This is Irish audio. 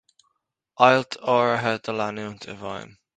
Ailt áirithe do leanúint i bhfeidhm.